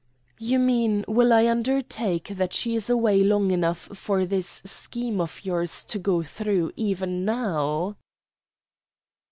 "You mean, will I undertake that she is away long enough for this scheme of yours to go through even now?"